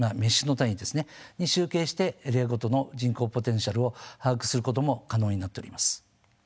で集計してエリアごとの人口ポテンシャルを把握することも可能になっております。